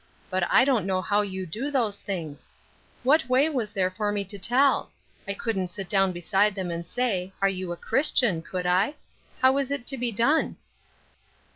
But I don't know how you do those things. What way was there for me to tell ? I couldn't sit down beside them and say, ' Are you a Christian ?' could I ? How is it to be done